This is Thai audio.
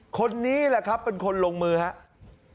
คนนี้แหละครับเป็นคนลงมือครับ